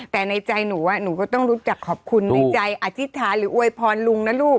แต่ในใจหนูหนูก็ต้องรู้จักขอบคุณในใจอธิษฐานหรืออวยพรลุงนะลูก